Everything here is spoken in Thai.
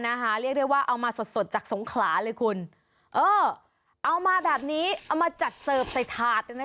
อาหารที่สงขราใช่ไหม